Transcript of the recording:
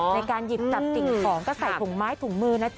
ในการหยิบจับสิ่งของก็ใส่ถุงไม้ถุงมือนะจ๊